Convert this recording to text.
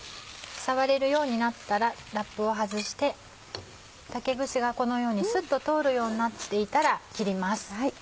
触れるようになったらラップを外して竹串がこのようにすっと通るようになっていたら切ります。